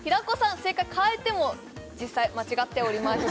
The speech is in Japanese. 正解変えても実際間違っておりました